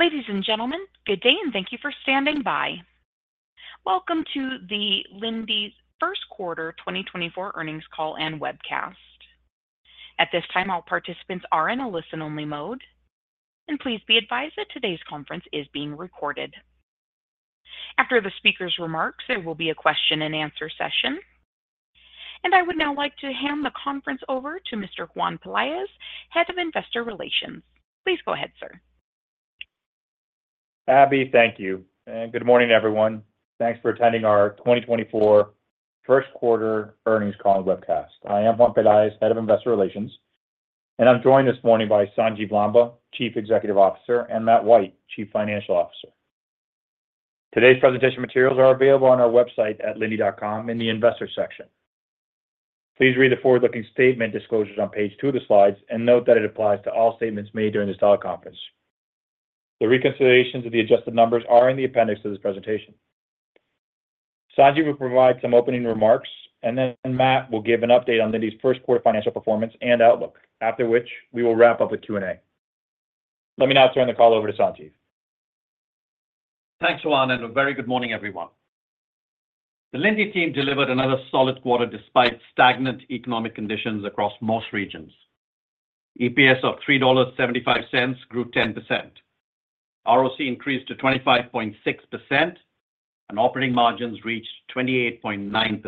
Ladies and gentlemen, good day, and thank you for standing by. Welcome to Linde's First Quarter 2024 Earnings Call and Webcast. At this time, all participants are in a listen-only mode, and please be advised that today's conference is being recorded. After the speaker's remarks, there will be a question-and-answer session. I would now like to hand the conference over to Mr. Juan Pelaez, Head of Investor Relations. Please go ahead, sir. Abby, thank you, and good morning, everyone. Thanks for attending our 2024 first quarter earnings call and webcast. I am Juan Pelaez, Head of Investor Relations, and I'm joined this morning by Sanjiv Lamba, Chief Executive Officer, and Matt White, Chief Financial Officer. Today's presentation materials are available on our website at linde.com in the investor section. Please read the forward-looking statement disclosures on page 2 of the slides and note that it applies to all statements made during this teleconference. The reconciliations of the adjusted numbers are in the appendix of this presentation. Sanjiv will provide some opening remarks, and then Matt will give an update on Linde's first quarter financial performance and outlook, after which we will wrap up with Q&A. Let me now turn the call over to Sanjiv. Thanks, Juan, and a very good morning, everyone. The Linde team delivered another solid quarter despite stagnant economic conditions across most regions. EPS of $3.75 grew 10%. ROC increased to 25.6%, and operating margins reached 28.9%.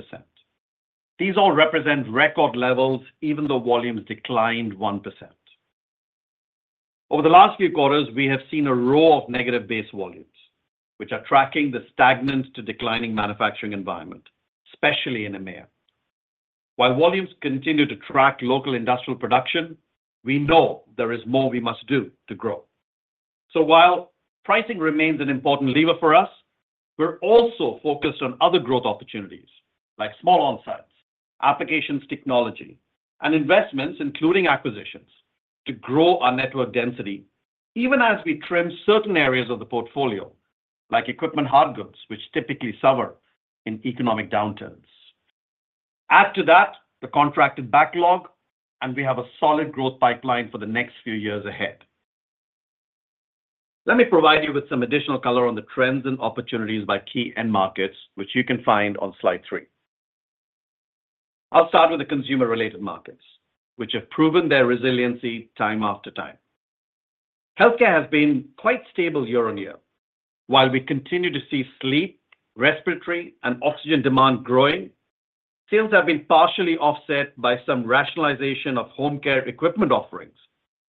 These all represent record levels, even though volumes declined 1%. Over the last few quarters, we have seen a row of negative base volumes, which are tracking the stagnant to declining manufacturing environment, especially in EMEA. While volumes continue to track local industrial production, we know there is more we must do to grow. So while pricing remains an important lever for us, we're also focused on other growth opportunities, like small on-sites, applications technology, and investments, including acquisitions, to grow our network density, even as we trim certain areas of the portfolio, like equipment hard goods, which typically suffer in economic downturns. Add to that the contracted backlog, and we have a solid growth pipeline for the next few years ahead. Let me provide you with some additional color on the trends and opportunities by key end markets, which you can find on slide three. I'll start with the consumer-related markets, which have proven their resiliency time after time. Healthcare has been quite stable year-on-year. While we continue to see sleep, respiratory, and oxygen demand growing, sales have been partially offset by some rationalization of home care equipment offerings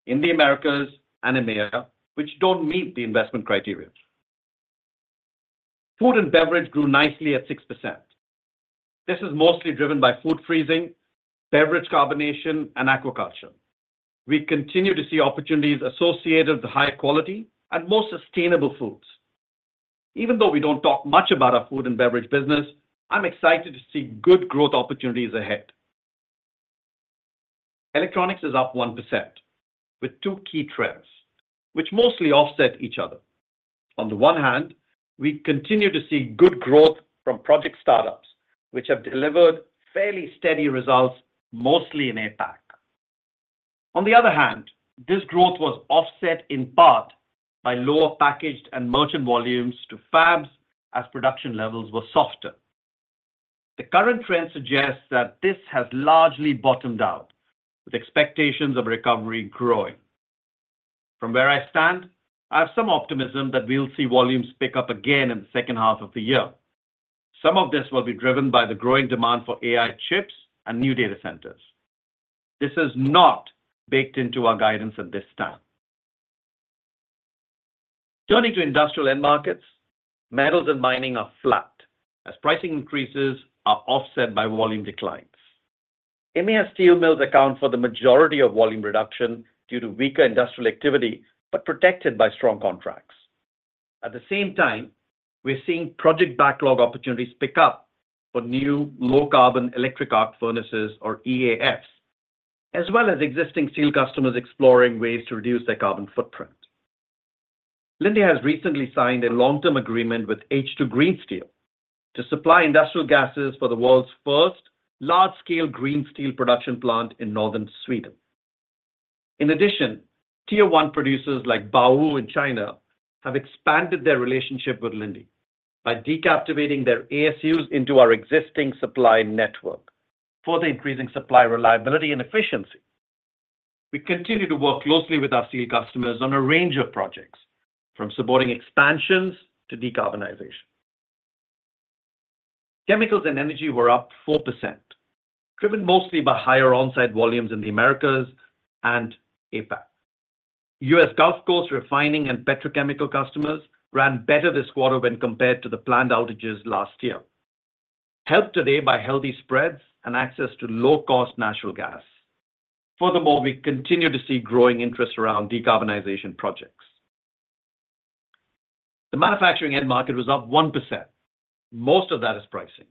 in the Americas and EMEA, which don't meet the investment criteria. Food and beverage grew nicely at 6%. This is mostly driven by food freezing, beverage carbonation, and aquaculture. We continue to see opportunities associated with higher quality and more sustainable foods. Even though we don't talk much about our food and beverage business, I'm excited to see good growth opportunities ahead. Electronics is up 1%, with two key trends, which mostly offset each other. On the one hand, we continue to see good growth from project startups, which have delivered fairly steady results, mostly in APAC. On the other hand, this growth was offset in part by lower packaged and merchant volumes to fabs as production levels were softer. The current trend suggests that this has largely bottomed out, with expectations of recovery growing. From where I stand, I have some optimism that we'll see volumes pick up again in the second half of the year. Some of this will be driven by the growing demand for AI chips and new data centers. This is not baked into our guidance at this time. Turning to industrial end markets, metals and mining are flat as pricing increases are offset by volume declines. EMEA steel mills account for the majority of volume reduction due to weaker industrial activity, but protected by strong contracts. At the same time, we're seeing project backlog opportunities pick up for new low-carbon electric arc furnaces, or EAFs, as well as existing steel customers exploring ways to reduce their carbon footprint. Linde has recently signed a long-term agreement with H2 Green Steel to supply industrial gases for the world's first large-scale green steel production plant in Northern Sweden. In addition, Tier One producers like Baowu in China have expanded their relationship with Linde by decaptivating their ASUs into our existing supply network for the increasing supply, reliability, and efficiency. We continue to work closely with our steel customers on a range of projects, from supporting expansions to decarbonization. Chemicals and energy were up 4%, driven mostly by higher on-site volumes in the Americas and APAC. US Gulf Coast refining and petrochemical customers ran better this quarter when compared to the planned outages last year, helped today by healthy spreads and access to low-cost natural gas. Furthermore, we continue to see growing interest around decarbonization projects. The manufacturing end market was up 1%. Most of that is pricing.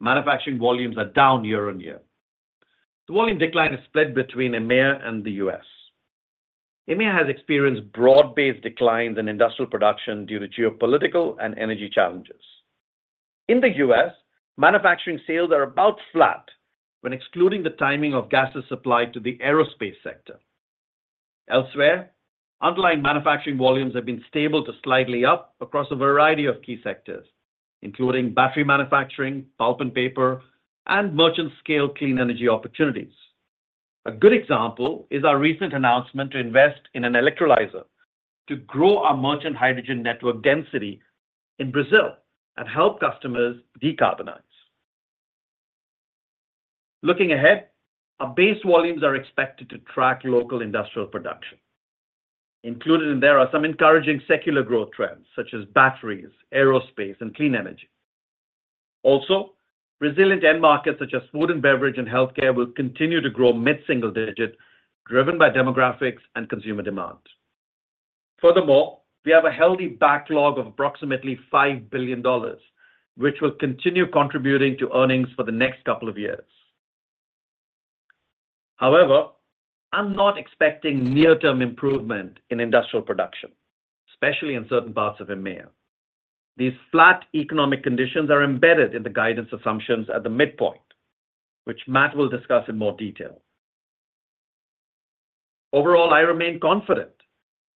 Manufacturing volumes are down year-on-year. The volume decline is split between EMEA and the US. EMEA has experienced broad-based declines in industrial production due to geopolitical and energy challenges. In the U.S., manufacturing sales are about flat when excluding the timing of gases supplied to the aerospace sector. Elsewhere, underlying manufacturing volumes have been stable to slightly up across a variety of key sectors, including battery manufacturing, pulp and paper, and merchant scale clean energy opportunities. A good example is our recent announcement to invest in an electrolyzer to grow our merchant hydrogen network density in Brazil and help customers decarbonize. Looking ahead, our base volumes are expected to track local industrial production. Included in there are some encouraging secular growth trends such as batteries, aerospace, and clean energy. Also, resilient end markets, such as food and beverage and healthcare, will continue to grow mid-single digit, driven by demographics and consumer demand. Furthermore, we have a healthy backlog of approximately $5 billion, which will continue contributing to earnings for the next couple of years. However, I'm not expecting near-term improvement in industrial production, especially in certain parts of EMEA. These flat economic conditions are embedded in the guidance assumptions at the midpoint, which Matt will discuss in more detail. Overall, I remain confident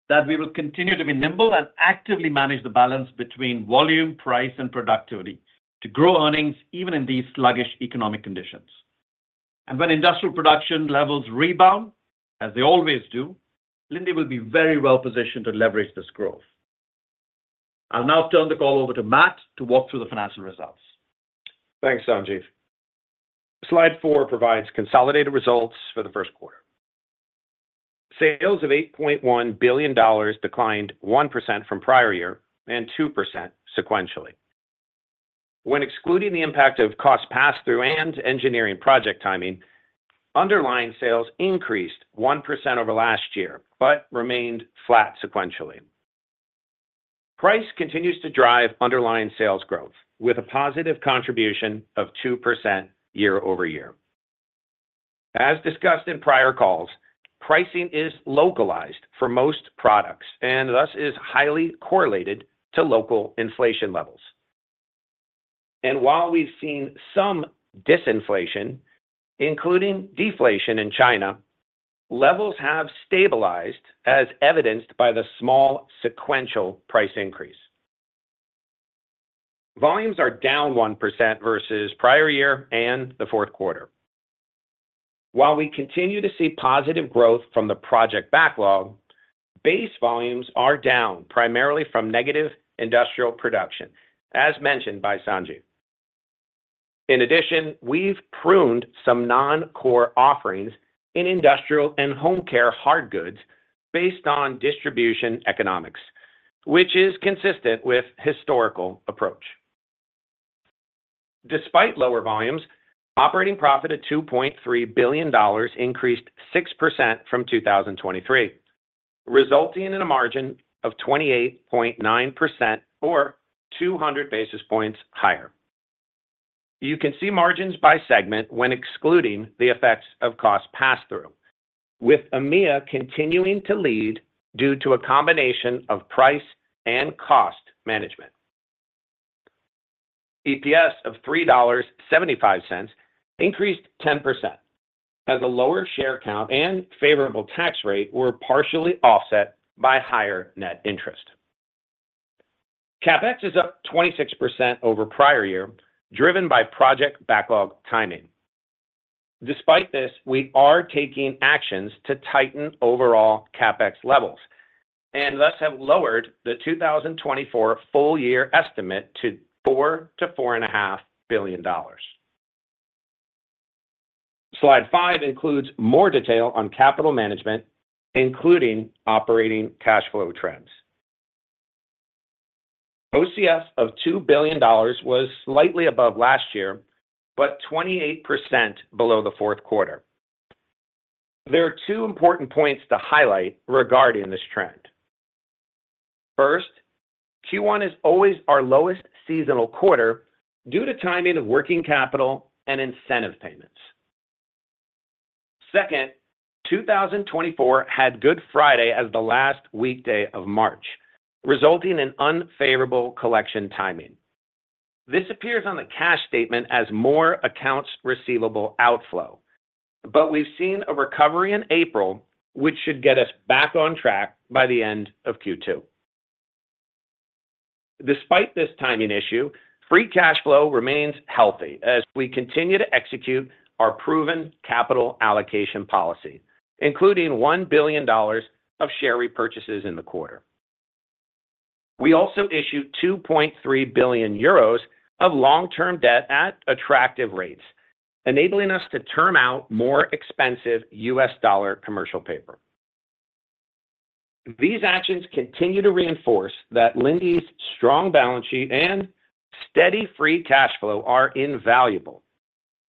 that we will continue to be nimble and actively manage the balance between volume, price, and productivity to grow earnings even in these sluggish economic conditions. And when industrial production levels rebound, as they always do, Linde will be very well positioned to leverage this growth. I'll now turn the call over to Matt to walk through the financial results. Thanks, Sanjiv. Slide 4 provides consolidated results for the first quarter. Sales of $8.1 billion declined 1% from prior year, and 2% sequentially. When excluding the impact of cost pass-through and engineering project timing, underlying sales increased 1% over last year, but remained flat sequentially. Price continues to drive underlying sales growth with a positive contribution of 2% year-over-year. As discussed in prior calls, pricing is localized for most products and thus is highly correlated to local inflation levels. And while we've seen some disinflation, including deflation in China, levels have stabilized, as evidenced by the small sequential price increase. Volumes are down 1% versus prior year and the fourth quarter. While we continue to see positive growth from the project backlog, base volumes are down primarily from negative industrial production, as mentioned by Sanjiv. In addition, we've pruned some non-core offerings in industrial and home care hard goods based on distribution economics, which is consistent with historical approach. Despite lower volumes, operating profit at $2.3 billion increased 6% from 2023, resulting in a margin of 28.9% or 200 basis points higher. You can see margins by segment when excluding the effects of cost pass-through, with EMEA continuing to lead due to a combination of price and cost management. EPS of $3.75 increased 10%, as a lower share count and favorable tax rate were partially offset by higher net interest. CapEx is up 26% over prior year, driven by project backlog timing. Despite this, we are taking actions to tighten overall CapEx levels, and thus have lowered the 2024 full year estimate to $4 billion-$4.5 billion. Slide 5 includes more detail on capital management, including operating cash flow trends. OCF of $2 billion was slightly above last year, but 28% below the fourth quarter. There are two important points to highlight regarding this trend. First, Q1 is always our lowest seasonal quarter due to timing of working capital and incentive payments. Second, 2024 had Good Friday as the last weekday of March, resulting in unfavorable collection timing. This appears on the cash statement as more accounts receivable outflow, but we've seen a recovery in April, which should get us back on track by the end of Q2. Despite this timing issue, free cash flow remains healthy as we continue to execute our proven capital allocation policy, including $1 billion of share repurchases in the quarter. We also issued 2.3 billion euros of long-term debt at attractive rates, enabling us to term out more expensive U.S. dollar commercial paper. These actions continue to reinforce that Linde's strong balance sheet and steady free cash flow are invaluable,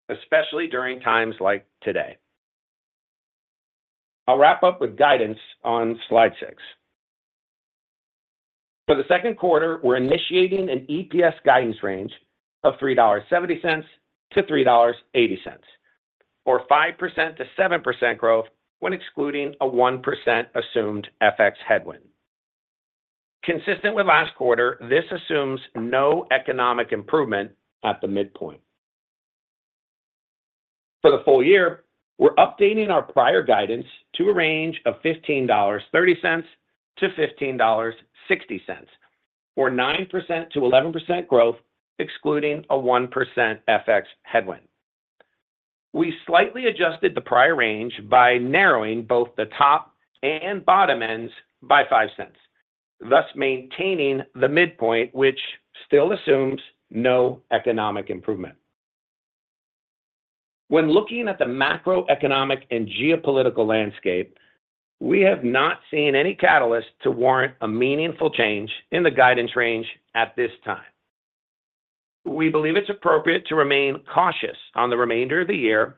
especially during times like today. I'll wrap up with guidance on slide 6. For the second quarter, we're initiating an EPS guidance range of $3.70-$3.80.... or 5%-7% growth when excluding a 1% assumed FX headwind. Consistent with last quarter, this assumes no economic improvement at the midpoint. For the full year, we're updating our prior guidance to a range of $15.30-$15.60, or 9%-11% growth, excluding a 1% FX headwind. We slightly adjusted the prior range by narrowing both the top and bottom ends by $0.05, thus maintaining the midpoint, which still assumes no economic improvement. When looking at the macroeconomic and geopolitical landscape, we have not seen any catalyst to warrant a meaningful change in the guidance range at this time. We believe it's appropriate to remain cautious on the remainder of the year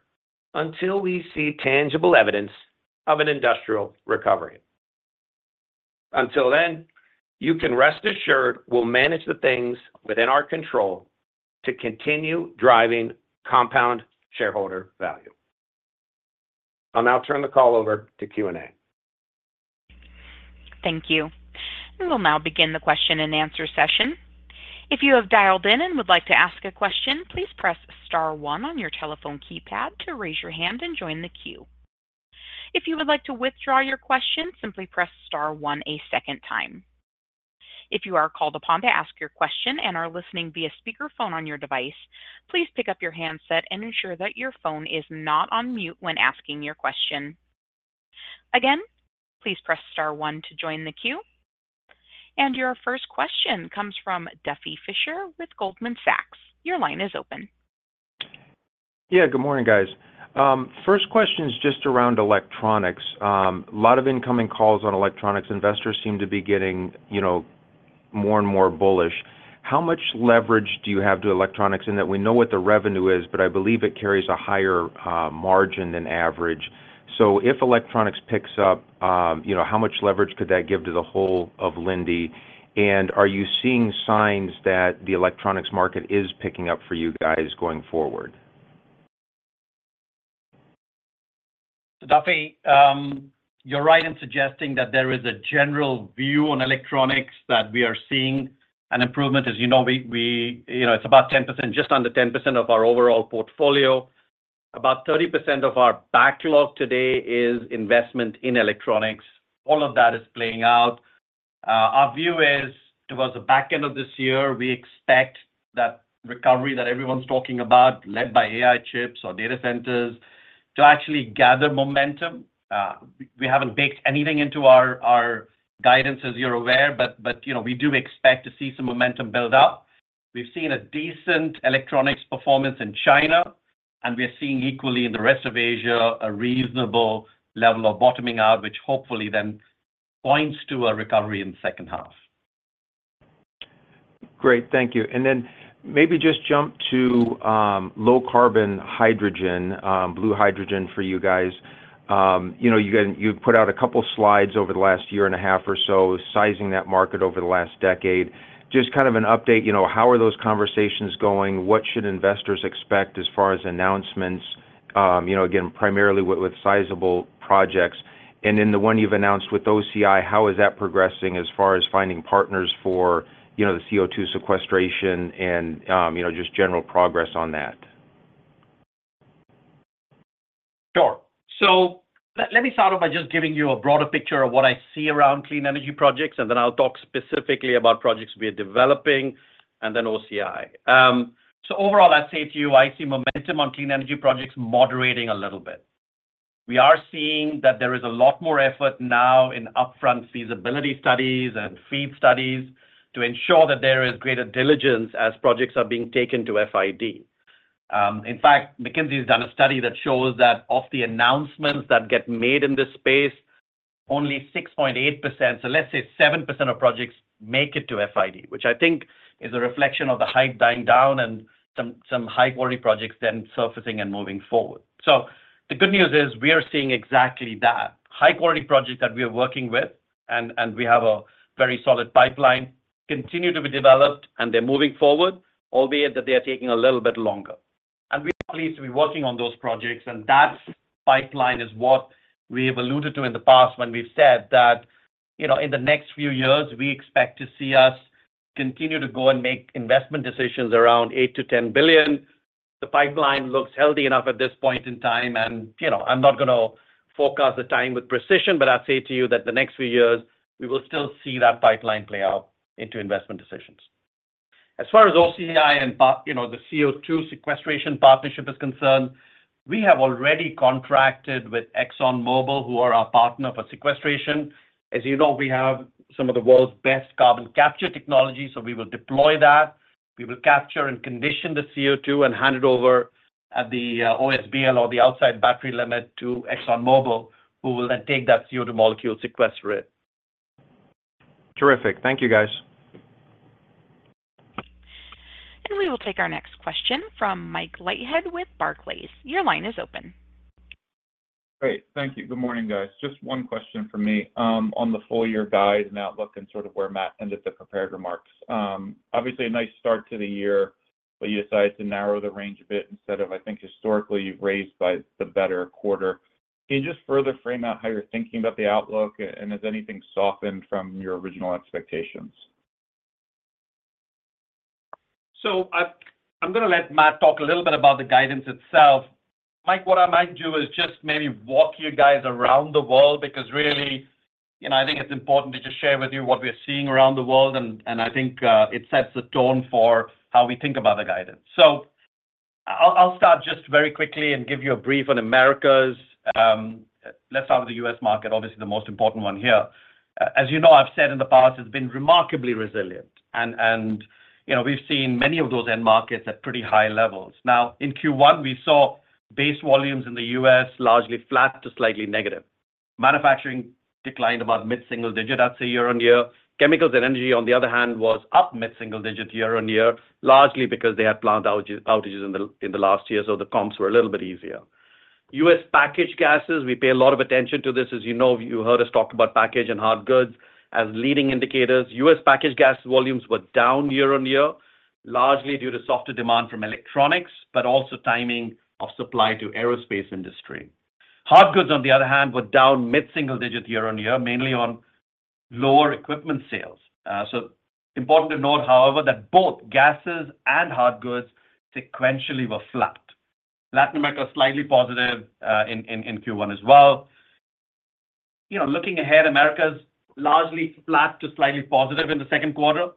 until we see tangible evidence of an industrial recovery. Until then, you can rest assured we'll manage the things within our control to continue driving compound shareholder value. I'll now turn the call over to Q&A. Thank you. We will now begin the question-and-answer session. If you have dialed in and would like to ask a question, please press star one on your telephone keypad to raise your hand and join the queue. If you would like to withdraw your question, simply press star one a second time. If you are called upon to ask your question and are listening via speakerphone on your device, please pick up your handset and ensure that your phone is not on mute when asking your question. Again, please press star one to join the queue. Your first question comes from Duffy Fischer with Goldman Sachs. Your line is open. Yeah, good morning, guys. First question is just around electronics. A lot of incoming calls on electronics. Investors seem to be getting, you know, more and more bullish. How much leverage do you have to electronics? In that we know what the revenue is, but I believe it carries a higher, margin than average. So if electronics picks up, you know, how much leverage could that give to the whole of Linde? And are you seeing signs that the electronics market is picking up for you guys going forward? Duffy, you're right in suggesting that there is a general view on electronics, that we are seeing an improvement. As you know, we, you know, it's about 10%, just under 10% of our overall portfolio. About 30% of our backlog today is investment in electronics. All of that is playing out. Our view is, towards the back end of this year, we expect that recovery that everyone's talking about, led by AI chips or data centers, to actually gather momentum. We haven't baked anything into our, our guidance, as you're aware, but, you know, we do expect to see some momentum build up. We've seen a decent electronics performance in China, and we are seeing equally in the rest of Asia, a reasonable level of bottoming out, which hopefully then points to a recovery in the second half. Great. Thank you. And then maybe just jump to low-carbon hydrogen, blue hydrogen for you guys. You know, you've put out a couple slides over the last year and a half or so, sizing that market over the last decade. Just kind of an update, you know, how are those conversations going? What should investors expect as far as announcements, you know, again, primarily with sizable projects? And then the one you've announced with OCI, how is that progressing as far as finding partners for, you know, the CO2 sequestration and, you know, just general progress on that? Sure. So let me start off by just giving you a broader picture of what I see around clean energy projects, and then I'll talk specifically about projects we are developing and then OCI. So overall, I'd say to you, I see momentum on clean energy projects moderating a little bit. We are seeing that there is a lot more effort now in upfront feasibility studies and FEED studies to ensure that there is greater diligence as projects are being taken to FID. In fact, McKinsey has done a study that shows that of the announcements that get made in this space, only 6.8%, so let's say 7% of projects, make it to FID, which I think is a reflection of the hype dying down and some high-quality projects then surfacing and moving forward. So the good news is we are seeing exactly that. High-quality projects that we are working with, and we have a very solid pipeline, continue to be developed, and they're moving forward, albeit that they are taking a little bit longer. And we are pleased to be working on those projects, and that pipeline is what we have alluded to in the past when we've said that, you know, in the next few years, we expect to see us continue to go and make investment decisions around $8 billion-$10 billion. The pipeline looks healthy enough at this point in time, and, you know, I'm not gonna forecast the time with precision, but I'd say to you that the next few years, we will still see that pipeline play out into investment decisions. As far as OCI and, you know, the CO2 sequestration partnership is concerned, we have already contracted with ExxonMobil, who are our partner for sequestration. As you know, we have some of the world's best carbon capture technology, so we will deploy that. We will capture and condition the CO2 and hand it over at the OSBL, or the outside battery limit, to ExxonMobil, who will then take that CO2 molecule, sequester it. Terrific. Thank you, guys. We will take our next question from Mike Leithead with Barclays. Your line is open.... Great. Thank you. Good morning, guys. Just one question for me on the full-year guide and outlook and sort of where Matt ended the prepared remarks. Obviously, a nice start to the year, but you decided to narrow the range a bit instead of, I think, historically, you've raised by the better quarter. Can you just further frame out how you're thinking about the outlook, and has anything softened from your original expectations? So, I'm gonna let Matt talk a little bit about the guidance itself. Mike, what I might do is just maybe walk you guys around the world, because really, you know, I think it's important to just share with you what we're seeing around the world, and I think it sets the tone for how we think about the guidance. So I'll start just very quickly and give you a brief on Americas. Let's start with the U.S. market, obviously, the most important one here. As you know, I've said in the past, it's been remarkably resilient. And, you know, we've seen many of those end markets at pretty high levels. Now, in Q1, we saw base volumes in the U.S. largely flat to slightly negative. Manufacturing declined about mid-single digit, I'd say, year-on-year. Chemicals and energy, on the other hand, was up mid-single-digit year-on-year, largely because they had plant outage, outages in the, in the last year, so the comps were a little bit easier. U.S. packaged gases, we pay a lot of attention to this. As you know, you heard us talk about packaged and hard goods as leading indicators. U.S. packaged gas volumes were down year-on-year, largely due to softer demand from electronics, but also timing of supply to aerospace industry. Hard goods, on the other hand, were down mid-single-digit year-on-year, mainly on lower equipment sales. So important to note, however, that both gases and hard goods sequentially were flat. Latin America, slightly positive in Q1 as well. You know, looking ahead, Americas largely flat to slightly positive in the second quarter.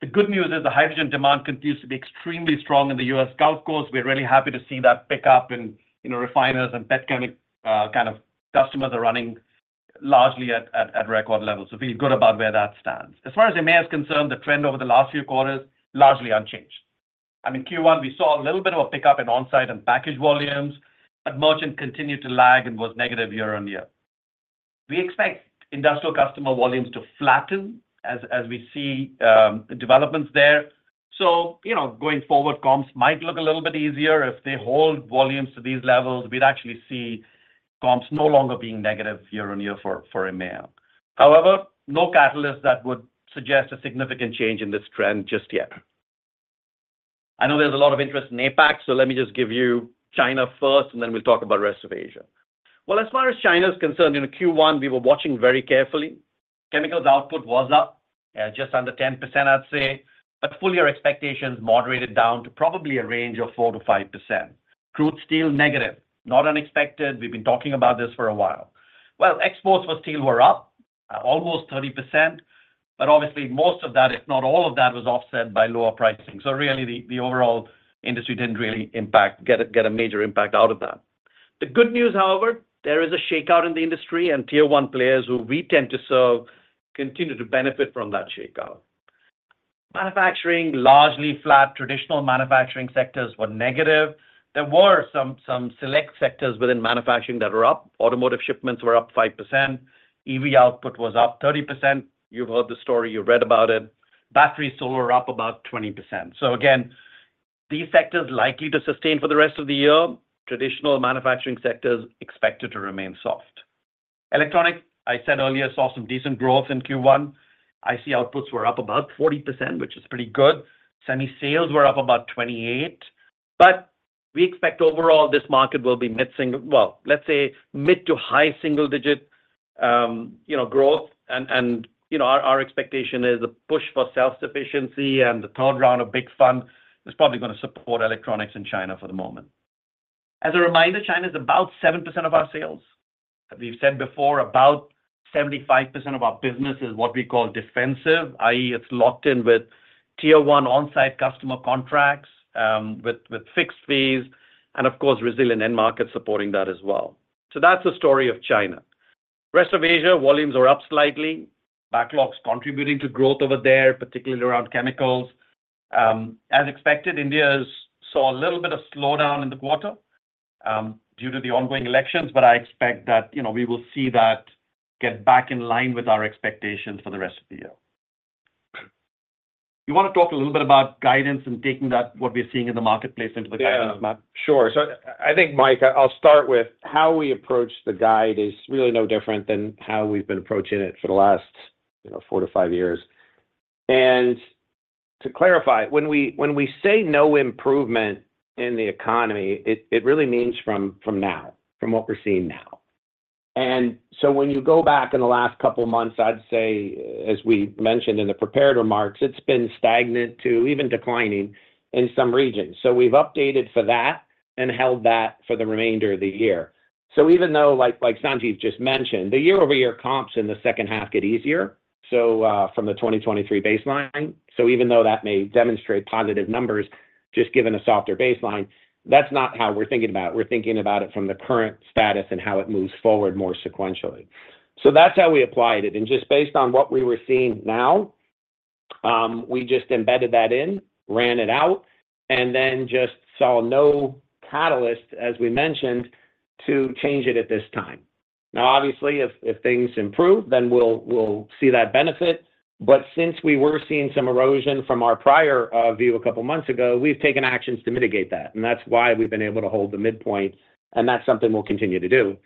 The good news is the hydrogen demand continues to be extremely strong in the US Gulf Coast. We're really happy to see that pick up, and, you know, refiners and petrochemicals kind of customers are running largely at record levels, so feel good about where that stands. As far as EMEA is concerned, the trend over the last few quarters, largely unchanged. I mean, Q1, we saw a little bit of a pickup in on-site and packaged volumes, but merchant continued to lag and was negative year-over-year. We expect industrial customer volumes to flatten as we see developments there. So, you know, going forward, comps might look a little bit easier. If they hold volumes to these levels, we'd actually see comps no longer being negative year-over-year for EMEA. However, no catalyst that would suggest a significant change in this trend just yet. I know there's a lot of interest in APAC, so let me just give you China first, and then we'll talk about rest of Asia. Well, as far as China is concerned, in Q1, we were watching very carefully. Chemicals output was up at just under 10%, I'd say, but full-year expectations moderated down to probably a range of 4%-5%. Crude steel, negative, not unexpected. We've been talking about this for a while. Well, exports for steel were up almost 30%, but obviously, most of that, if not all of that, was offset by lower pricing. So really, the overall industry didn't really get a major impact out of that. The good news, however, there is a shakeout in the industry, and Tier One players, who we tend to serve, continue to benefit from that shakeout. Manufacturing, largely flat. Traditional manufacturing sectors were negative. There were some select sectors within manufacturing that were up. Automotive shipments were up 5%. EV output was up 30%. You've heard the story, you read about it. Batteries, solar up about 20%. So again, these sectors likely to sustain for the rest of the year. Traditional manufacturing sectors expected to remain soft. Electronic, I said earlier, saw some decent growth in Q1. IC outputs were up about 40%, which is pretty good. Semi sales were up about 28, but we expect overall, this market will be mid- to high-single-digit, you know, growth, and you know, our expectation is a push for self-sufficiency, and the third round of Big Fund is probably gonna support electronics in China for the moment. As a reminder, China is about 7% of our sales. We've said before, about 75% of our business is what we call defensive, i.e., it's locked in with Tier One on-site customer contracts, with fixed fees, and of course, resilient end markets supporting that as well. So that's the story of China. Rest of Asia, volumes are up slightly, backlogs contributing to growth over there, particularly around chemicals. As expected, India's saw a little bit of slowdown in the quarter, due to the ongoing elections, but I expect that, you know, we will see that get back in line with our expectations for the rest of the year. You wanna talk a little bit about guidance and taking that, what we're seeing in the marketplace into the guidance, Matt? Yeah, sure. So I think, Mike, I'll start with how we approach the guide is really no different than how we've been approaching it for the last, you know, four to five years. And to clarify, when we, when we say no improvement in the economy, it, it really means from, from now, from what we're seeing now. And so when you go back in the last couple of months, I'd say, as we mentioned in the prepared remarks, it's been stagnant to even declining in some regions. So we've updated for that and held that for the remainder of the year. So even though, like, like Sanjiv just mentioned, the year-over-year comps in the second half get easier, so, from the 2023 baseline. So even though that may demonstrate positive numbers, just given a softer baseline, that's not how we're thinking about it. We're thinking about it from the current status and how it moves forward more sequentially. So that's how we applied it, and just based on what we were seeing now, we just embedded that in, ran it out, and then just saw no catalyst, as we mentioned, to change it at this time.... Now, obviously, if things improve, then we'll see that benefit. But since we were seeing some erosion from our prior view a couple of months ago, we've taken actions to mitigate that, and that's why we've been able to hold the midpoint, and that's something we'll continue to do,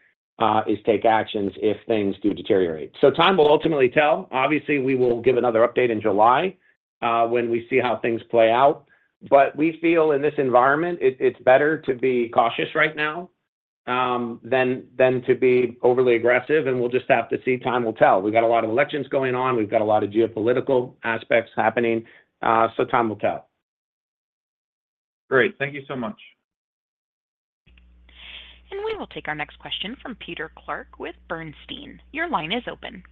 is take actions if things do deteriorate. So time will ultimately tell. Obviously, we will give another update in July, when we see how things play out. But we feel in this environment, it's better to be cautious right now, than to be overly aggressive, and we'll just have to see. Time will tell. We've got a lot of elections going on, we've got a lot of geopolitical aspects happening, so time will tell. Great. Thank you so much. We will take our next question from Peter Clark with Bernstein. Your line is open.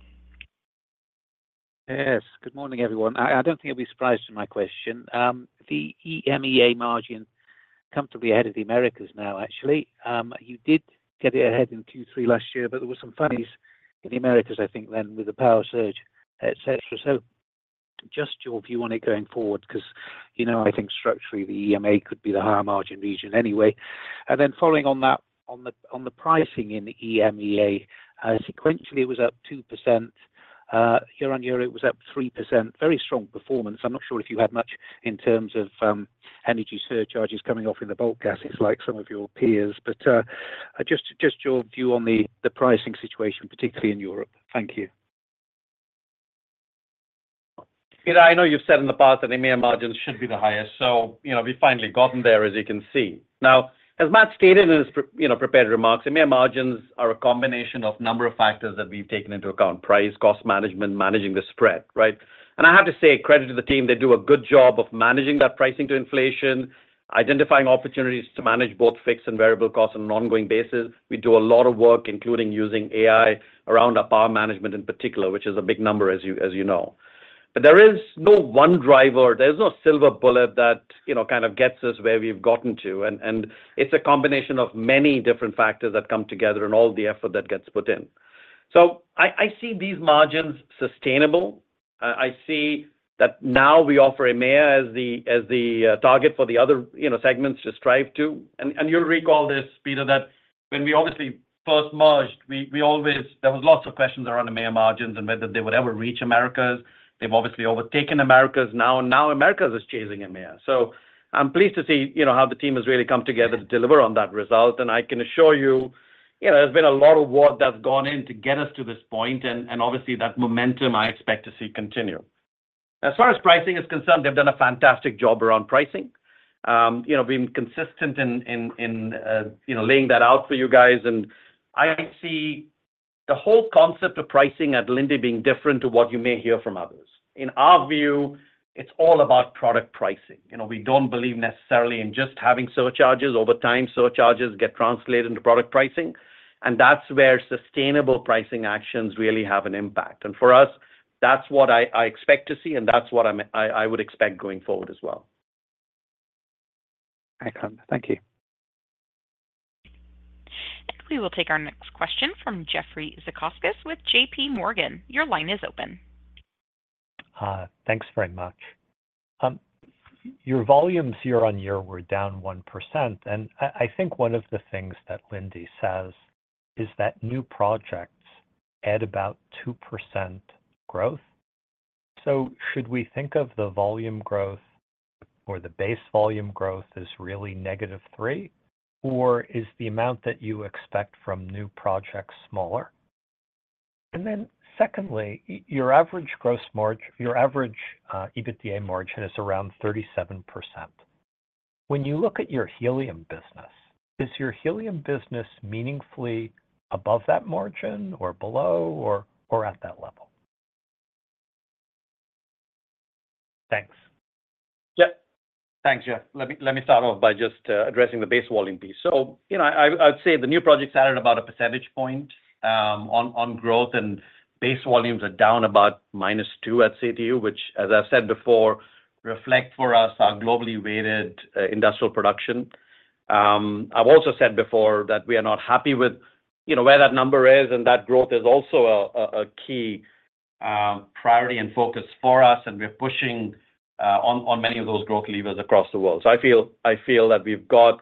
Yes. Good morning, everyone. I, I don't think you'll be surprised with my question. The EMEA margin comfortably ahead of the Americas now, actually. You did get it ahead in Q3 last year, but there were some funnies in the Americas, I think, then with the power surge, et cetera. So just your view on it going forward, 'cause, you know, I think structurally, the EMEA could be the higher margin region anyway. And then following on that, on the, on the pricing in the EMEA, sequentially, it was up 2%. Year-on-year, it was up 3%. Very strong performance. I'm not sure if you had much in terms of, energy surcharges coming off in the bulk gases like some of your peers, but, just, just your view on the, the pricing situation, particularly in Europe. Thank you. Peter, I know you've said in the past that EMEA margins should be the highest, so you know, we've finally gotten there, as you can see. Now, as Matt stated in his, you know, prepared remarks, EMEA margins are a combination of number of factors that we've taken into account: price, cost management, managing the spread, right? And I have to say, credit to the team, they do a good job of managing that pricing to inflation, identifying opportunities to manage both fixed and variable costs on an ongoing basis. We do a lot of work, including using AI, around our power management in particular, which is a big number, as you, as you know. But there is no one driver, there's no silver bullet that, you know, kind of gets us where we've gotten to, and it's a combination of many different factors that come together and all the effort that gets put in. So I see these margins sustainable. I see that now we offer EMEA as the target for the other, you know, segments to strive to. And you'll recall this, Peter, that when we obviously first merged, we always, there was lots of questions around the EMEA margins and whether they would ever reach Americas. They've obviously overtaken Americas now, Americas is chasing EMEA. So I'm pleased to see, you know, how the team has really come together to deliver on that result, and I can assure you, you know, there's been a lot of work that's gone in to get us to this point, and, and obviously, that momentum I expect to see continue. As far as pricing is concerned, they've done a fantastic job around pricing. You know, being consistent in you know, laying that out for you guys, and I see the whole concept of pricing at Linde being different to what you may hear from others. In our view, it's all about product pricing. You know, we don't believe necessarily in just having surcharges. Over time, surcharges get translated into product pricing, and that's where sustainable pricing actions really have an impact. For us, that's what I expect to see, and that's what I would expect going forward as well. Excellent. Thank you. We will take our next question from Jeffrey Zekauskas with J.P. Morgan. Your line is open. Thanks very much. Your volumes year-over-year were down 1%, and I think one of the things that Linde says is that new projects add about 2% growth. So should we think of the volume growth or the base volume growth as really negative 3%, or is the amount that you expect from new projects smaller? And then secondly, your average gross margin, your average EBITDA margin is around 37%. When you look at your helium business, is your helium business meaningfully above that margin or below or at that level? Thanks. Yeah. Thanks, Jeff. Let me start off by just addressing the base volume piece. So, you know, I'd say the new projects added about a percentage point on growth, and base volumes are down about -2% at CTU, which, as I've said before, reflect for us our globally weighted industrial production. I've also said before that we are not happy with, you know, where that number is, and that growth is also a key priority and focus for us, and we're pushing on many of those growth levers across the world. So I feel that we've got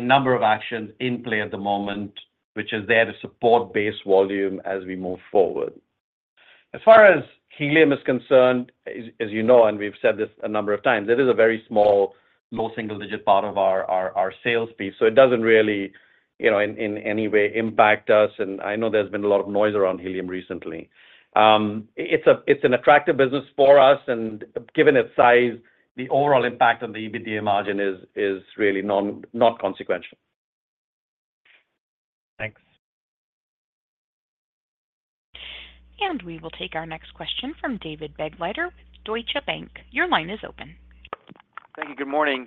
a number of actions in play at the moment, which is there to support base volume as we move forward. As far as helium is concerned, as you know, and we've said this a number of times, it is a very small, low single-digit part of our sales piece, so it doesn't really, you know, in any way impact us, and I know there's been a lot of noise around helium recently. It's an attractive business for us, and given its size, the overall impact on the EBITDA margin is really not consequential. Thanks. We will take our next question from David Begleiter, Deutsche Bank. Your line is open. Thank you. Good morning.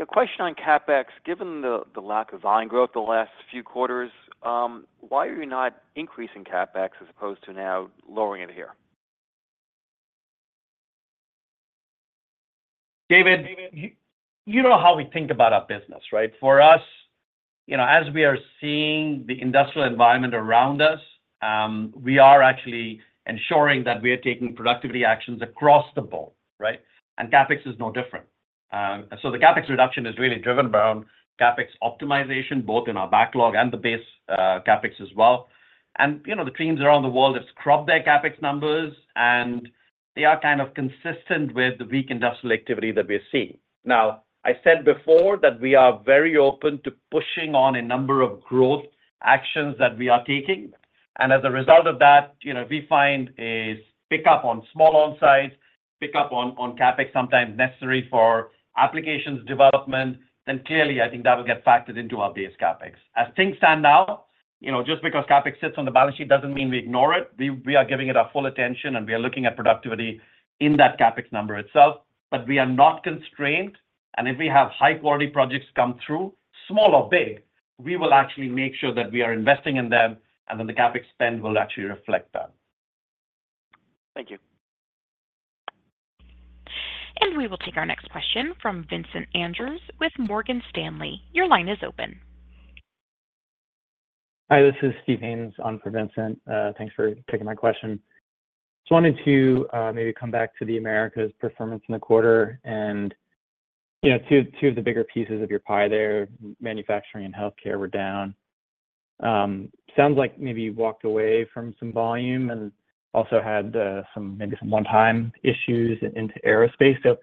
A question on CapEx. Given the lack of volume growth the last few quarters, why are you not increasing CapEx as opposed to now lowering it here? David, you know how we think about our business, right? For us, you know, as we are seeing the industrial environment around us, we are actually ensuring that we are taking productivity actions across the board, right? CapEx is no different. So the CapEx reduction is really driven around CapEx optimization, both in our backlog and the base CapEx as well. You know, the teams around the world have cropped their CapEx numbers, and they are kind of consistent with the weak industrial activity that we are seeing. Now, I said before that we are very open to pushing on a number of growth actions that we are taking, and as a result of that, you know, we find a pick up on small on-site, pick up on CapEx, sometimes necessary for applications development, then clearly I think that will get factored into our base CapEx. As things stand now, you know, just because CapEx sits on the balance sheet doesn't mean we ignore it. We are giving it our full attention, and we are looking at productivity in that CapEx number itself. But we are not constrained, and if we have high-quality projects come through, small or big, we will actually make sure that we are investing in them, and then the CapEx spend will actually reflect that. Thank you. We will take our next question from Vincent Andrews with Morgan Stanley. Your line is open. Hi, this is Steve Haynes on for Vincent. Thanks for taking my question. Just wanted to maybe come back to the Americas' performance in the quarter and, you know, 2 of the bigger pieces of your pie there, manufacturing and healthcare were down. Sounds like maybe you walked away from some volume and also had some, maybe some one-time issues into aerospace. So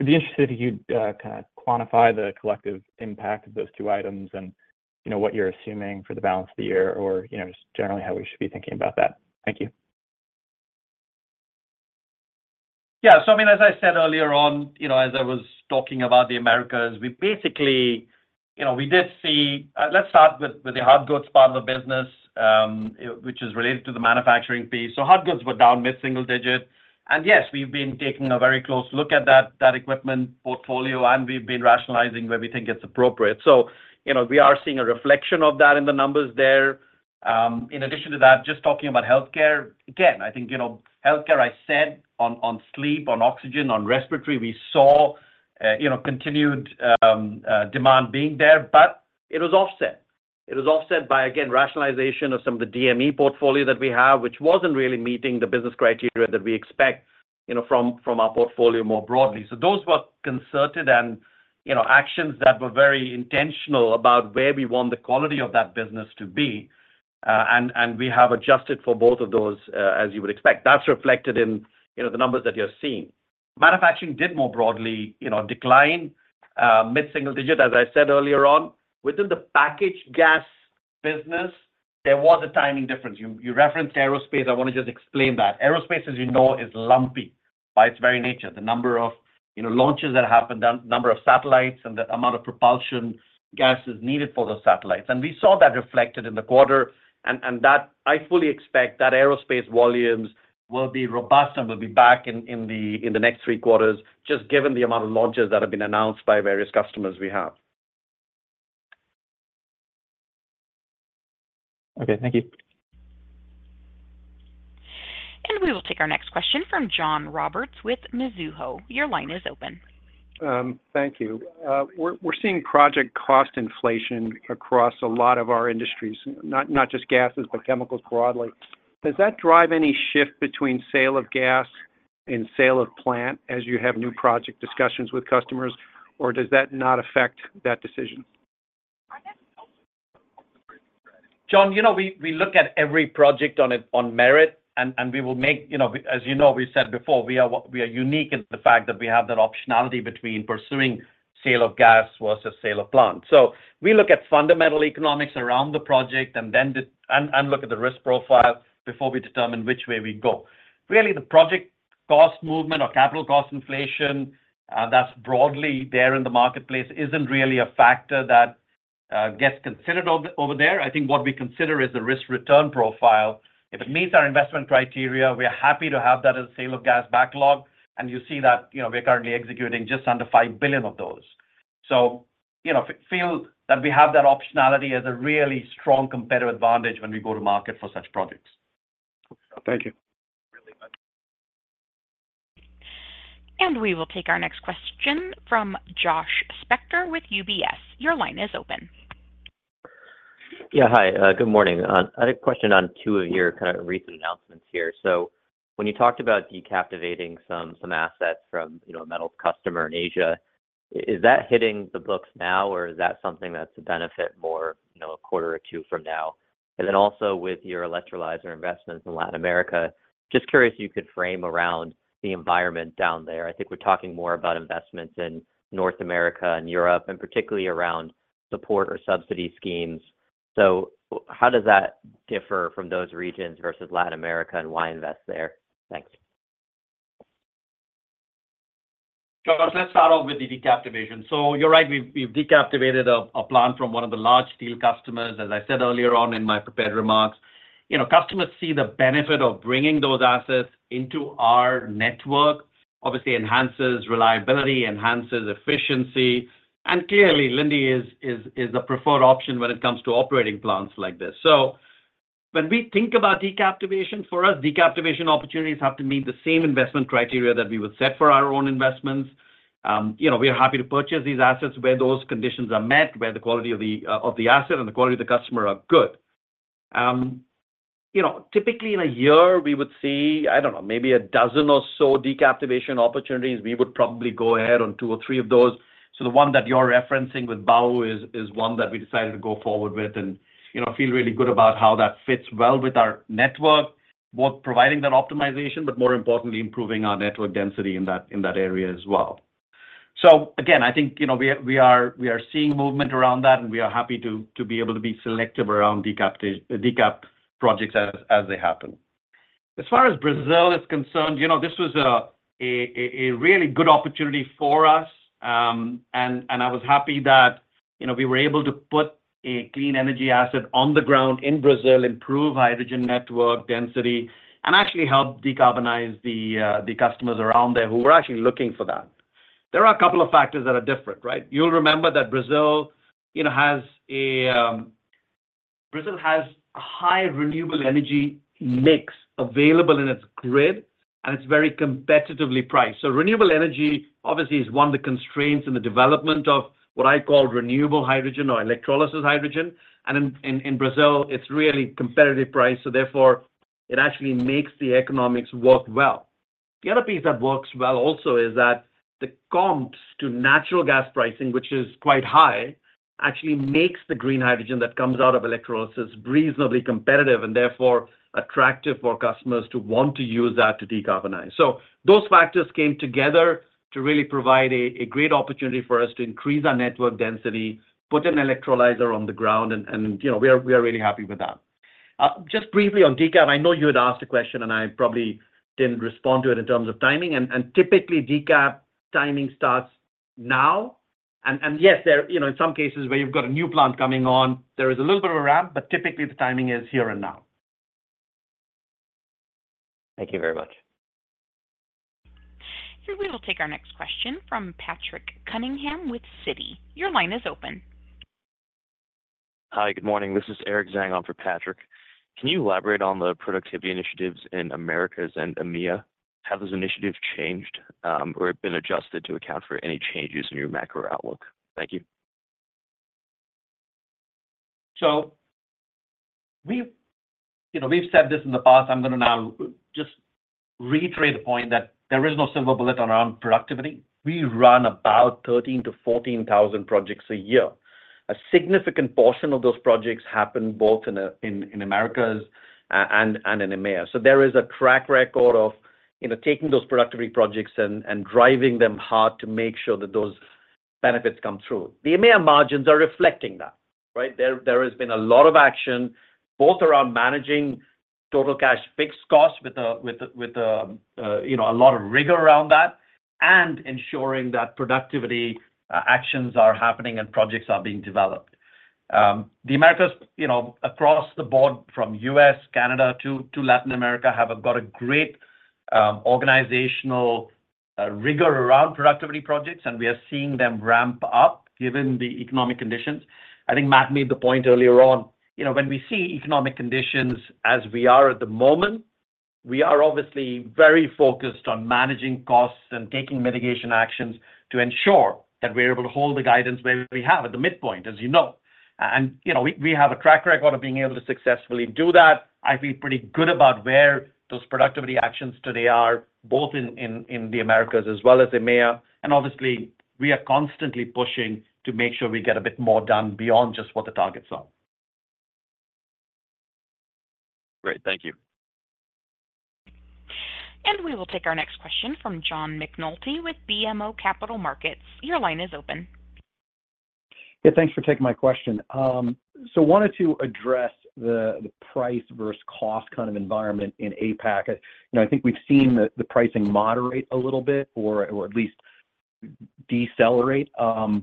I'd be interested if you'd kind of quantify the collective impact of those two items and, you know, what you're assuming for the balance of the year or, you know, just generally how we should be thinking about that. Thank you. Yeah, so I mean, as I said earlier on, you know, as I was talking about the Americas, we basically, you know, we did see, let's start with the hard goods part of the business, which is related to the manufacturing piece. So hard goods were down mid-single digit, and yes, we've been taking a very close look at that equipment portfolio, and we've been rationalizing where we think it's appropriate. So, you know, we are seeing a reflection of that in the numbers there. In addition to that, just talking about healthcare, again, I think, you know, healthcare, I said on sleep, on oxygen, on respiratory, we saw, you know, continued demand being there, but it was offset. It was offset by, again, rationalization of some of the DME portfolio that we have, which wasn't really meeting the business criteria that we expect, you know, from our portfolio more broadly. So those were concerted and, you know, actions that were very intentional about where we want the quality of that business to be, and we have adjusted for both of those, as you would expect. That's reflected in, you know, the numbers that you're seeing. Manufacturing, more broadly, you know, declined mid-single digit, as I said earlier on. Within the packaged gas business, there was a timing difference. You referenced aerospace. I want to just explain that. Aerospace, as you know, is lumpy by its very nature, the number of, you know, launches that happen, the number of satellites, and the amount of propulsion gases needed for those satellites. We saw that reflected in the quarter, and that I fully expect that aerospace volumes will be robust and will be back in the next three quarters, just given the amount of launches that have been announced by various customers we have. Okay. Thank you. We will take our next question from John Roberts with Mizuho. Your line is open. Thank you. We're seeing project cost inflation across a lot of our industries, not just gases, but chemicals broadly. Does that drive any shift between sale of gas and sale of plant as you have new project discussions with customers, or does that not affect that decision? John, you know, we look at every project on its own merit, and we will make... You know, as you know, we said before, we are unique in the fact that we have that optionality between pursuing sale of gas versus sale of plant. So we look at fundamental economics around the project and then and look at the risk profile before we determine which way we go. Really, the project cost movement or capital cost inflation, that's broadly there in the marketplace isn't really a factor that gets considered over there. I think what we consider is the risk-return profile. If it meets our investment criteria, we are happy to have that as a sale of gas backlog, and you see that, you know, we are currently executing just under $5 billion of those. So, you know, feel that we have that optionality as a really strong competitive advantage when we go to market for such projects. Thank you. We will take our next question from Josh Spector with UBS. Your line is open. Yeah, hi. Good morning. I had a question on two of your kind of recent announcements here. So when you talked about decaptivating some assets from, you know, a metals customer in Asia, is that hitting the books now, or is that something that's a benefit more, you know, a quarter or two from now? And then also with your electrolyzer investments in Latin America, just curious if you could frame around the environment down there. I think we're talking more about investments in North America and Europe, and particularly around support or subsidy schemes. So how does that differ from those regions versus Latin America, and why invest there? Thanks. Josh, let's start off with the decaptivation. So you're right, we've decaptivated a plant from one of the large steel customers, as I said earlier on in my prepared remarks. You know, customers see the benefit of bringing those assets into our network, obviously enhances reliability, enhances efficiency, and clearly, Linde is the preferred option when it comes to operating plants like this. So when we think about decaptivation, for us, decaptivation opportunities have to meet the same investment criteria that we would set for our own investments. You know, we are happy to purchase these assets where those conditions are met, where the quality of the asset and the quality of the customer are good. You know, typically in a year, we would see, I don't know, maybe a dozen or so decaptivation opportunities. We would probably go ahead on two or three of those. So the one that you're referencing with Baowu is one that we decided to go forward with and, you know, feel really good about how that fits well with our network, both providing that optimization, but more importantly, improving our network density in that area as well. So again, I think, you know, we are seeing movement around that, and we are happy to be able to be selective around decaptivation projects as they happen. As far as Brazil is concerned, you know, this was a really good opportunity for us, and I was happy that, you know, we were able to put a clean energy asset on the ground in Brazil, improve hydrogen network density, and actually help decarbonize the customers around there who were actually looking for that. There are a couple of factors that are different, right? You'll remember that Brazil, you know, has a high renewable energy mix available in its grid, and it's very competitively priced. So renewable energy, obviously, is one of the constraints in the development of what I call renewable hydrogen or electrolysis hydrogen, and in Brazil, it's really competitive price, so therefore, it actually makes the economics work well. The other piece that works well also is that the comps to natural gas pricing, which is quite high, actually makes the green hydrogen that comes out of electrolysis reasonably competitive, and therefore attractive for customers to want to use that to decarbonize. So those factors came together to really provide a great opportunity for us to increase our network density, put an electrolyzer on the ground, and, you know, we are really happy with that. Just briefly on decap, I know you had asked a question, and I probably didn't respond to it in terms of timing, and typically, decap timing starts now. Yes, there, you know, in some cases where you've got a new plant coming on, there is a little bit of a ramp, but typically the timing is here and now. Thank you very much. Here we will take our next question from Patrick Cunningham with Citi. Your line is open. Hi, good morning. This is Eric Zhang on for Patrick. Can you elaborate on the productivity initiatives in Americas and EMEA? Have those initiatives changed, or been adjusted to account for any changes in your macro outlook? Thank you. So we've... You know, we've said this in the past. I'm gonna now just reiterate the point that there is no silver bullet around productivity. We run about 13-14,000 projects a year. A significant portion of those projects happen both in Americas and in EMEA. So there is a track record of, you know, taking those productivity projects and driving them hard to make sure that those benefits come through. The EMEA margins are reflecting that, right? There has been a lot of action, both around managing total cash fixed costs with a you know a lot of rigor around that, and ensuring that productivity actions are happening and projects are being developed. The Americas, you know, across the board from U.S., Canada, to Latin America, have got a great organizational rigor around productivity projects, and we are seeing them ramp up given the economic conditions. I think Matt made the point earlier on, you know, when we see economic conditions as we are at the moment, we are obviously very focused on managing costs and taking mitigation actions to ensure that we're able to hold the guidance where we have at the midpoint, as you know. You know, we have a track record of being able to successfully do that. I feel pretty good about where those productivity actions today are, both in the Americas as well as EMEA, and obviously, we are constantly pushing to make sure we get a bit more done beyond just what the targets are. Great. Thank you. We will take our next question from John McNulty with BMO Capital Markets. Your line is open. Yeah, thanks for taking my question. So wanted to address the, the price versus cost kind of environment in APAC. You know, I think we've seen the, the pricing moderate a little bit, or, or at least decelerate,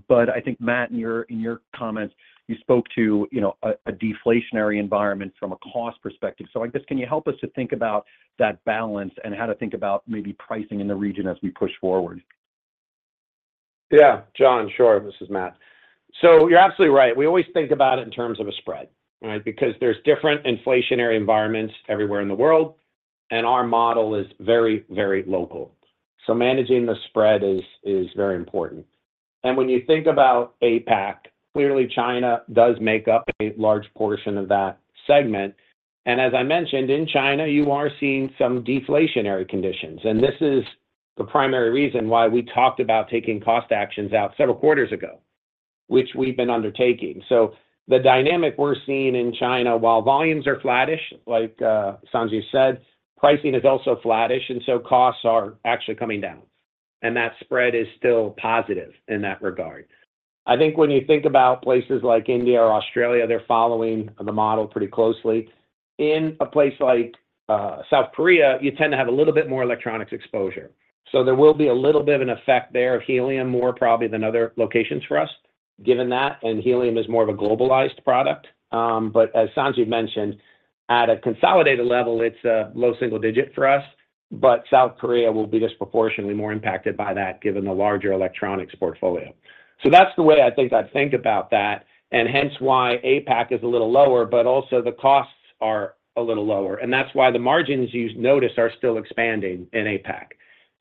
but I think, Matt, in your, in your comments, you spoke to, you know, a, a deflationary environment from a cost perspective. So I guess, can you help us to think about that balance and how to think about maybe pricing in the region as we push forward? Yeah, John, sure. This is Matt. So you're absolutely right. We always think about it in terms of a spread, right? Because there's different inflationary environments everywhere in the world, and our model is very, very local. So managing the spread is very important. And when you think about APAC, clearly China does make up a large portion of that segment, and as I mentioned, in China, you are seeing some deflationary conditions. And this is the primary reason why we talked about taking cost actions out several quarters ago, which we've been undertaking. So the dynamic we're seeing in China, while volumes are flattish, like, Sanjiv said, pricing is also flattish, and so costs are actually coming down, and that spread is still positive in that regard. I think when you think about places like India or Australia, they're following the model pretty closely. In a place like, South Korea, you tend to have a little bit more electronics exposure. So there will be a little bit of an effect there of helium, more probably than other locations for us, given that, and helium is more of a globalized product. But as Sanjiv mentioned, at a consolidated level, it's a low single digit for us, but South Korea will be disproportionately more impacted by that, given the larger electronics portfolio. So that's the way I think I'd think about that, and hence why APAC is a little lower, but also the costs are a little lower, and that's why the margins you've noticed are still expanding in APAC.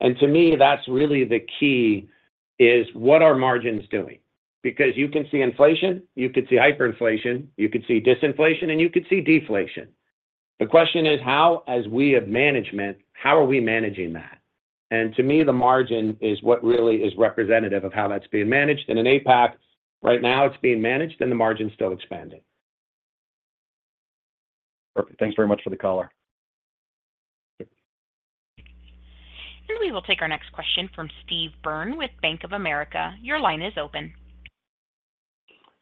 And to me, that's really the key, is what are margins doing?... because you can see inflation, you could see hyperinflation, you could see disinflation, and you could see deflation. The question is how, as we as management, how are we managing that? And to me, the margin is what really is representative of how that's being managed. And in APAC, right now, it's being managed, and the margin's still expanding. Perfect. Thanks very much for the call here. We will take our next question from Steve Byrne with Bank of America. Your line is open.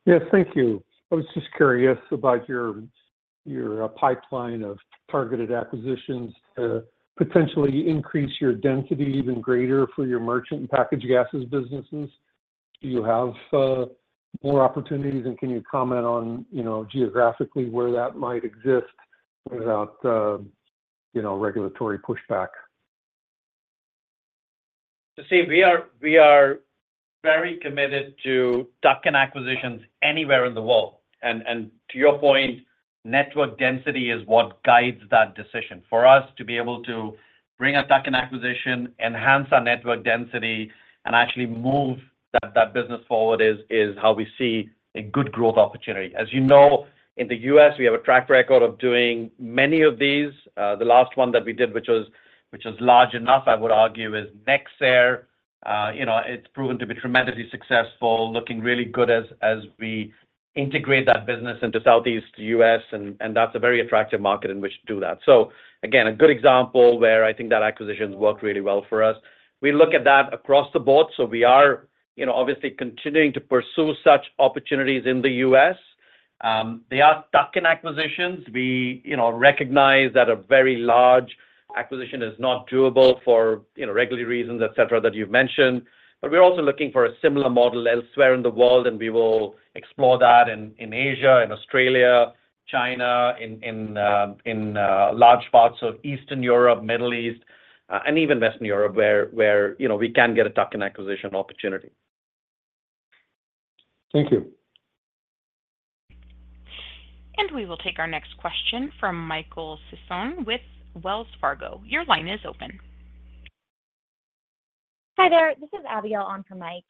Yes, thank you. I was just curious about your pipeline of targeted acquisitions to potentially increase your density even greater for your merchant and packaged gases businesses. Do you have more opportunities, and can you comment on, you know, geographically where that might exist without, you know, regulatory pushback? So, Steve, we are very committed to tuck-in acquisitions anywhere in the world. And to your point, network density is what guides that decision. For us to be able to bring a tuck-in acquisition, enhance our network density, and actually move that business forward is how we see a good growth opportunity. As you know, in the U.S., we have a track record of doing many of these. The last one that we did, which was large enough, I would argue, is nexAir. You know, it's proven to be tremendously successful, looking really good as we integrate that business into Southeast U.S., and that's a very attractive market in which to do that. So again, a good example where I think that acquisition worked really well for us. We look at that across the board, so we are, you know, obviously continuing to pursue such opportunities in the U.S. They are tuck-in acquisitions. We, you know, recognize that a very large acquisition is not doable for, you know, regulatory reasons, et cetera, that you've mentioned. But we're also looking for a similar model elsewhere in the world, and we will explore that in Asia, in Australia, China, in large parts of Eastern Europe, Middle East, and even Western Europe, where you know, we can get a tuck-in acquisition opportunity. Thank you. We will take our next question from Michael Sison with Wells Fargo. Your line is open. Hi there. This is Abigail on for Mike.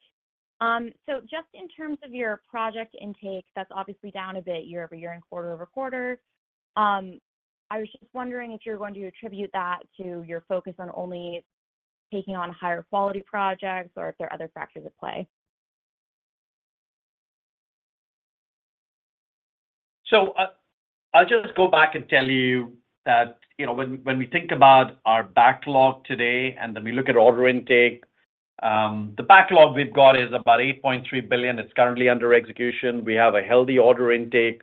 So just in terms of your project intake, that's obviously down a bit year-over-year and quarter-over-quarter. I was just wondering if you're going to attribute that to your focus on only taking on higher quality projects or if there are other factors at play? So, I'll just go back and tell you that, you know, when we think about our backlog today and then we look at order intake, the backlog we've got is about $8.3 billion. It's currently under execution. We have a healthy order intake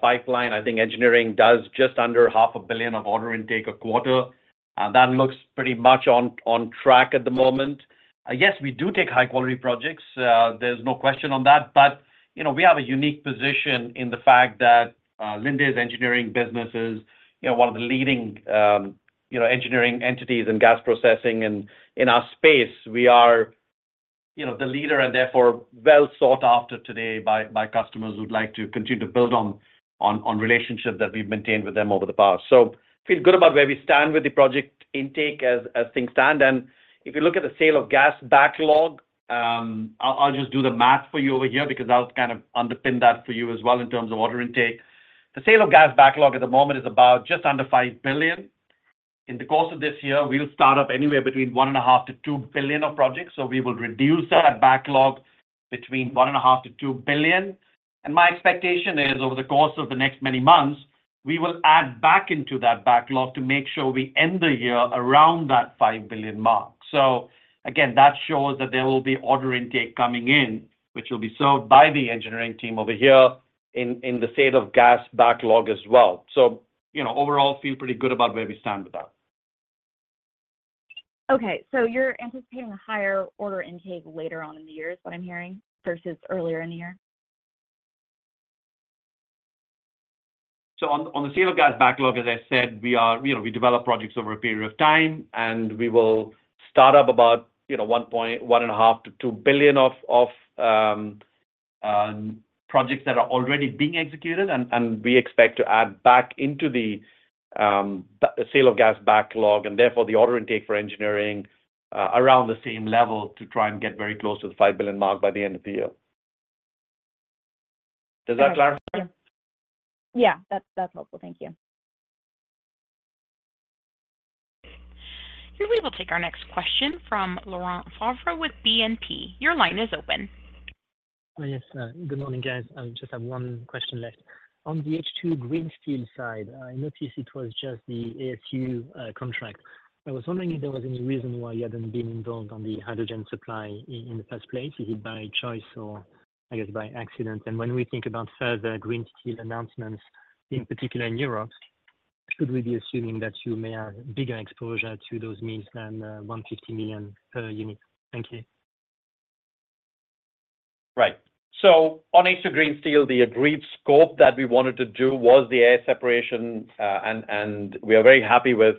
pipeline. I think engineering does just under $0.5 billion of order intake a quarter, and that looks pretty much on track at the moment. Yes, we do take high-quality projects. There's no question on that, but, you know, we have a unique position in the fact that Linde's engineering business is, you know, one of the leading, you know, engineering entities in gas processing. In our space, we are, you know, the leader and therefore well sought after today by customers who'd like to continue to build on relationships that we've maintained with them over the past. So feel good about where we stand with the project intake as things stand. And if you look at the Sale of Gas backlog, I'll just do the math for you over here because that would kind of underpin that for you as well in terms of order intake. The Sale of Gas backlog at the moment is about just under $5 billion. In the course of this year, we'll start up anywhere between $1.5 billion-$2 billion of projects, so we will reduce that backlog between $1.5 billion-$2 billion. My expectation is over the course of the next many months, we will add back into that backlog to make sure we end the year around that $5 billion mark. So again, that shows that there will be order intake coming in, which will be served by the engineering team over here in the Sale of Gas backlog as well. So, you know, overall, feel pretty good about where we stand with that. Okay, so you're anticipating a higher order intake later on in the year, is what I'm hearing, versus earlier in the year? So, on the sale of gas backlog, as I said, we are—you know, we develop projects over a period of time, and we will start up about, you know, $1.5 billion-$2 billion of projects that are already being executed. And we expect to add back into the sale of gas backlog, and therefore the order intake for engineering, around the same level to try and get very close to the $5 billion mark by the end of the year. Does that clarify? Yeah, that's helpful. Thank you. We will take our next question from Laurent Favre with BNP. Your line is open. Yes, good morning, guys. I just have one question left. On the H2 Green Steel side, I noticed it was just the ASU contract. I was wondering if there was any reason why you hadn't been involved on the hydrogen supply in the first place. Is it by choice or I guess by accident? And when we think about further green steel announcements, in particular in Europe, should we be assuming that you may have bigger exposure to those needs than $150 million per unit? Thank you. Right. So on H2 Green Steel, the agreed scope that we wanted to do was the air separation, and we are very happy with,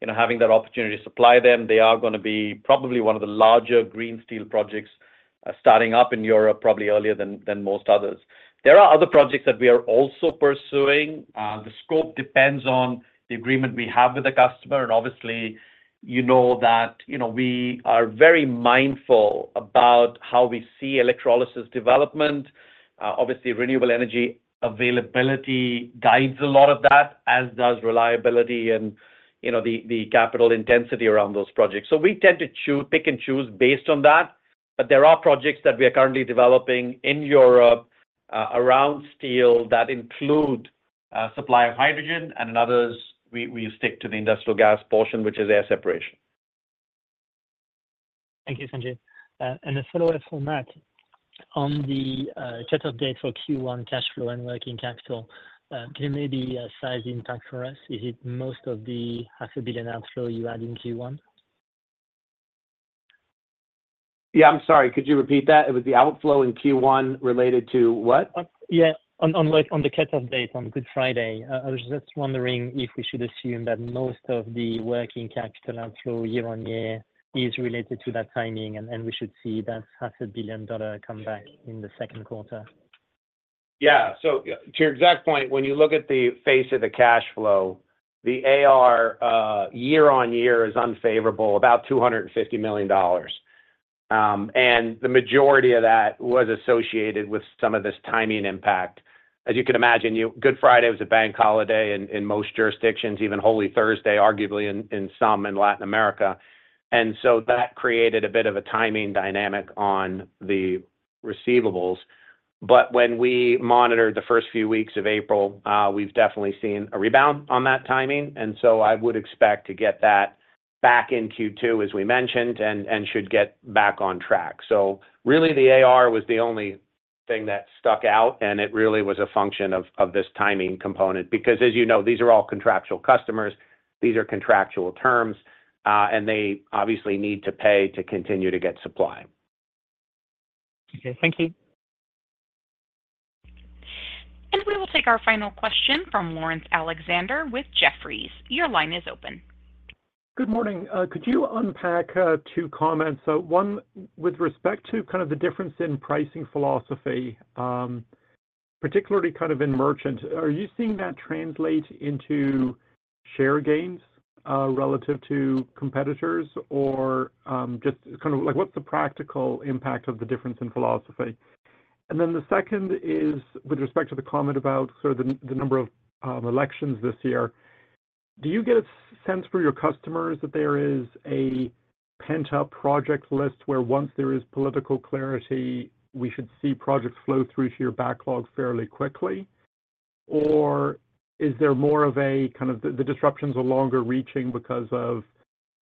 you know, having that opportunity to supply them. They are gonna be probably one of the larger green steel projects, starting up in Europe, probably earlier than most others. There are other projects that we are also pursuing. The scope depends on the agreement we have with the customer, and obviously, you know that, you know, we are very mindful about how we see electrolysis development. Obviously, renewable energy availability guides a lot of that, as does reliability and, you know, the, the capital intensity around those projects. So we tend to choose, pick and choose based on that.... But there are projects that we are currently developing in Europe around steel that include supply of hydrogen, and in others, we stick to the industrial gas portion, which is air separation. Thank you, Sanjiv. A follow-up for Matt. On the cutoff date for Q1 cash flow and working capital, can you maybe size the impact for us? Is it most of the $500 million outflow you had in Q1? Yeah, I'm sorry. Could you repeat that? It was the outflow in Q1 related to what? Yeah, on the cut-off date on Good Friday. I was just wondering if we should assume that most of the working capital outflow year-on-year is related to that timing, and then we should see that $500 million come back in the second quarter. Yeah. So to your exact point, when you look at the face of the cash flow, the AR, year-on-year is unfavorable, about $250 million. And the majority of that was associated with some of this timing impact. As you can imagine, Good Friday was a bank holiday in most jurisdictions, even Holy Thursday, arguably in some in Latin America. And so that created a bit of a timing dynamic on the receivables. But when we monitored the first few weeks of April, we've definitely seen a rebound on that timing, and so I would expect to get that back in Q2, as we mentioned, and should get back on track. So really, the AR was the only thing that stuck out, and it really was a function of this timing component. Because as you know, these are all contractual customers, these are contractual terms, and they obviously need to pay to continue to get supply. Okay. Thank you. We will take our final question from Lawrence Alexander with Jefferies. Your line is open. Good morning. Could you unpack two comments? So one, with respect to kind of the difference in pricing philosophy, particularly kind of in merchant, are you seeing that translate into share gains, relative to competitors? Or, just kind of like, what's the practical impact of the difference in philosophy? And then the second is with respect to the comment about sort of the, the number of, elections this year. Do you get a sense for your customers that there is a pent-up project list, where once there is political clarity, we should see projects flow through to your backlog fairly quickly? Or is there more of a, kind of... The, the disruptions are longer reaching because of,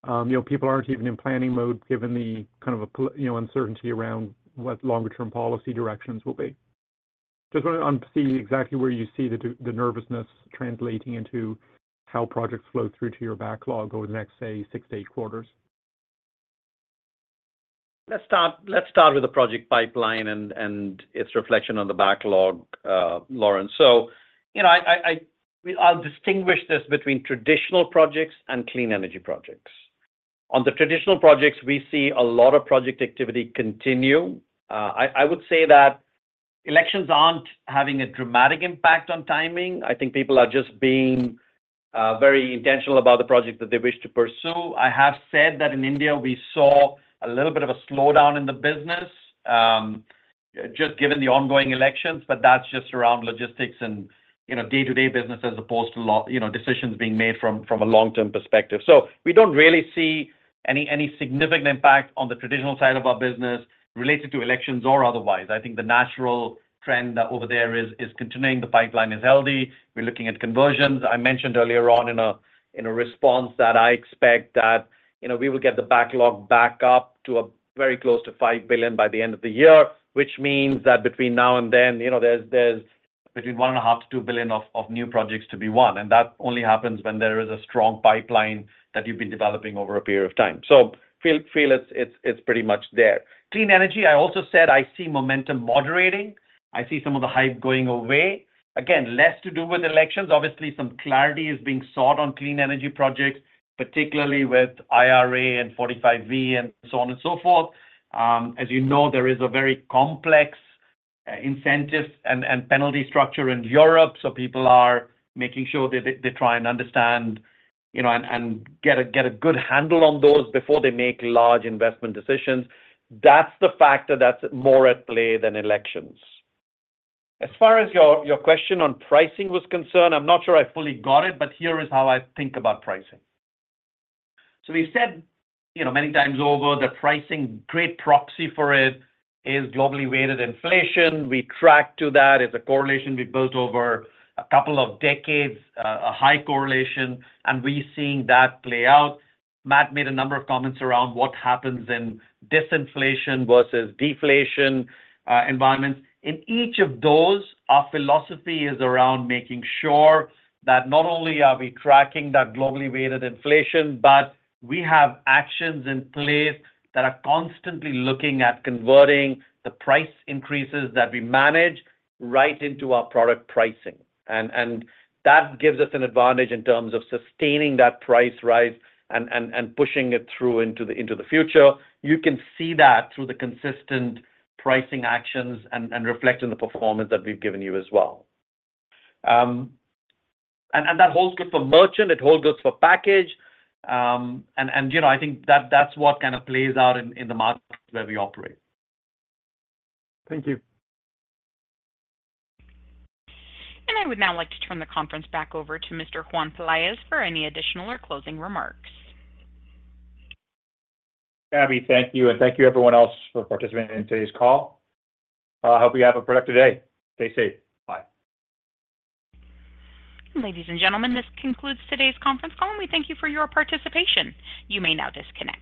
you know, people aren't even in planning mode, given the kind of a you know, uncertainty around what longer-term policy directions will be? Just want to understand exactly where you see the nervousness translating into how projects flow through to your backlog over the next, say, 6-8 quarters. Let's start with the project pipeline and its reflection on the backlog, Lawrence. So, you know, I'll distinguish this between traditional projects and clean energy projects. On the traditional projects, we see a lot of project activity continue. I would say that elections aren't having a dramatic impact on timing. I think people are just being very intentional about the projects that they wish to pursue. I have said that in India, we saw a little bit of a slowdown in the business, just given the ongoing elections, but that's just around logistics and, you know, day-to-day business as opposed to you know, decisions being made from a long-term perspective. So we don't really see any significant impact on the traditional side of our business, related to elections or otherwise. I think the natural trend over there is continuing. The pipeline is healthy. We're looking at conversions. I mentioned earlier on in a response that I expect that, you know, we will get the backlog back up to very close to $5 billion by the end of the year, which means that between now and then, you know, there's between $1.5 billion-$2 billion of new projects to be won. And that only happens when there is a strong pipeline that you've been developing over a period of time. So feel it's pretty much there. Clean energy, I also said I see momentum moderating. I see some of the hype going away. Again, less to do with elections. Obviously, some clarity is being sought on clean energy projects, particularly with IRA and 45V and so on and so forth. As you know, there is a very complex incentive and penalty structure in Europe, so people are making sure that they try and understand, you know, and get a good handle on those before they make large investment decisions. That's the factor that's more at play than elections. As far as your question on pricing was concerned, I'm not sure I fully got it, but here is how I think about pricing. So we've said, you know, many times over, that pricing, great proxy for it is globally weighted inflation. We track to that. It's a correlation we built over a couple of decades, a high correlation, and we're seeing that play out. Matt made a number of comments around what happens in disinflation versus deflation environments. In each of those, our philosophy is around making sure that not only are we tracking that globally weighted inflation, but we have actions in place that are constantly looking at converting the price increases that we manage right into our product pricing. And that gives us an advantage in terms of sustaining that price rise and pushing it through into the future. You can see that through the consistent pricing actions and reflect in the performance that we've given you as well. And that holds good for merchant, it holds good for package. And, you know, I think that's what kind of plays out in the market where we operate. Thank you. I would now like to turn the conference back over to Mr. Juan Pelaez for any additional or closing remarks. Abby, thank you, and thank you, everyone else, for participating in today's call. I hope you have a productive day. Stay safe. Bye. Ladies and gentlemen, this concludes today's conference call, and we thank you for your participation. You may now disconnect.